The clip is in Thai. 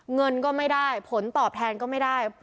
เงินก็ไม่ได้ผลตอบแทนก็ไม่ได้